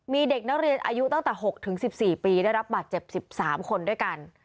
มีเด็กนักเรียนอายุตั้งแต่หกถึงสิบสี่ปีได้รับบาดเจ็บสิบสามคนด้วยกัน